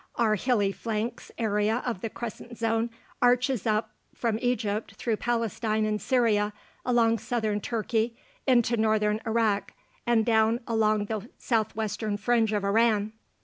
Our hilly flanks area of the crescent zone arches up from Egypt through Palestine and Syria, along southern Turkey into northern Iraq, and down along the southwestern fringe of Iran.